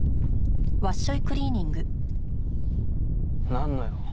なんの用？